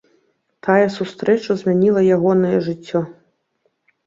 Тая сустрэча змяніла ягонае жыццё.